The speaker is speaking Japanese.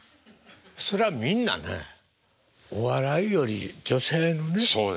そらみんなねお笑いより女性のね